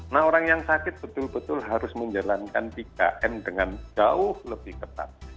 nah orang yang sakit betul betul harus menjalankan tiga m dengan jauh lebih ketat